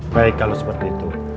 baik kalau seperti itu